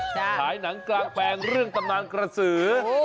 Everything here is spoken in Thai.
ฉายหนังกลางแปลงเรื่องตำนานกระสือ